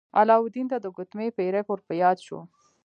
علاوالدین ته د ګوتمۍ پیری ور په یاد شو.